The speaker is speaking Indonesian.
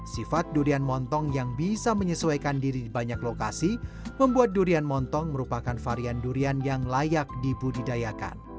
sifat durian montong yang bisa menyesuaikan diri di banyak lokasi membuat durian montong merupakan varian durian yang layak dibudidayakan